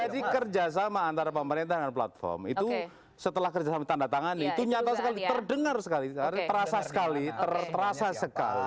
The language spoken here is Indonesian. jadi kerjasama antara pemerintah dan platform itu setelah kerjasama tanda tangan itu nyata sekali terdengar sekali terasa sekali terasa sekali